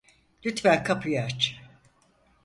Lütfen kapıyı aç!